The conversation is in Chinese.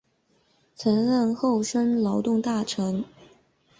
曾任厚生劳动大臣。